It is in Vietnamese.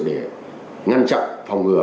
để ngăn chặn phòng ngừa